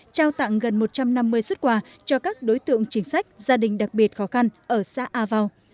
trao tặng gần một trăm năm mươi xuất quà cho các đối tượng chính sách gia đình đặc biệt khó khăn ở xã a vau